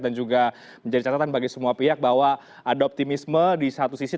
dan juga menjadi catatan bagi semua pihak bahwa ada optimisme di satu sisi